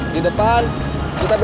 di depan kita belok aja